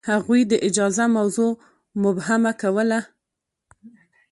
هغوی د اجازه موضوع مبهمه کوله.